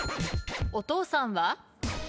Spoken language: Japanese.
お父さんは？